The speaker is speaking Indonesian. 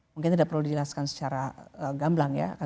mungkin tidak perlu dijelaskan secara gamblang ya